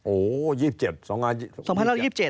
โอ้ว่า๒๗